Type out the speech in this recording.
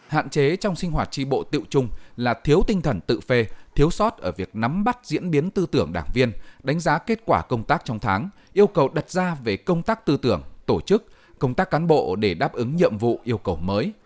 hạn chế trong sinh hoạt tri bộ tự trung là thiếu tinh thần tự phê thiếu sót ở việc nắm bắt diễn biến tư tưởng đảng viên đánh giá kết quả công tác trong tháng yêu cầu đặt ra về công tác tư tưởng tổ chức công tác cán bộ để đáp ứng nhiệm vụ yêu cầu mới